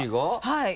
はい。